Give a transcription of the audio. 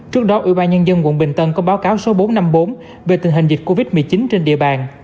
trước đó ủy ban nhân dân quận bình tân có báo cáo số bốn trăm năm mươi bốn về tình hình dịch covid một mươi chín trên địa bàn